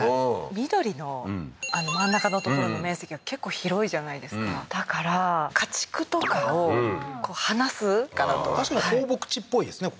緑の真ん中の所の面積が結構広いじゃないですかだから家畜とかを放すかなと確かに放牧地っぽいですね